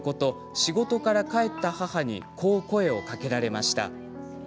仕事から帰った母にこう声をかけられました。